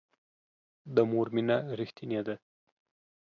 د مور مینه ریښتینې ده